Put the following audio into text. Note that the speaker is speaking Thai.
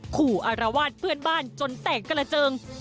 อารวาสเพื่อนบ้านจนแตกกระเจิง